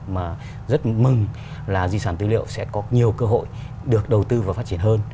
mà rất mừng là di sản tư liệu sẽ có nhiều cơ hội được đầu tư và phát triển hơn